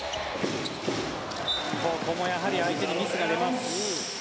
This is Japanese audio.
ここもやはり相手にミスが出ます。